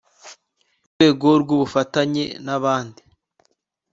rwego rw ubufatanye n abandi